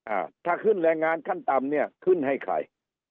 อ่าถ้าขึ้นแรงงานขั้นต่ำเนี่ยขึ้นให้ใคร